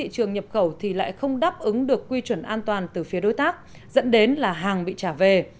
trường nhập khẩu thì lại không đáp ứng được quy chuẩn an toàn từ phía đối tác dẫn đến là hàng bị trả về